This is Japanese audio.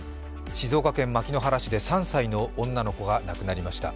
静岡県牧之原市で３歳の女の子が亡くなりました。